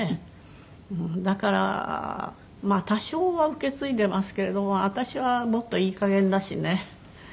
だからまあ多少は受け継いでますけれども私はもっといいかげんだしね。